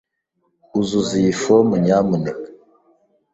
Uzuza iyi fomu, nyamuneka.